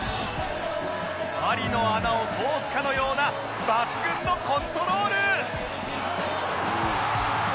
針の穴を通すかのような抜群のコントロール